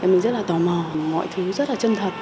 mình rất tò mò mọi thứ rất chân thật